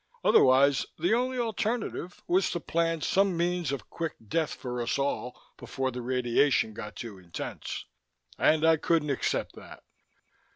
Otherwise, the only alternative was to plan some means of quick death for us all before the radiation got too intense. And I couldn't accept that.